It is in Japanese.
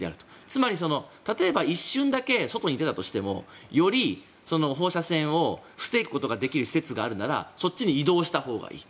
つまり、例えば一瞬だけ外に出たとしてもより放射線を防ぐことができる施設があるならそっちに移動したほうがいい。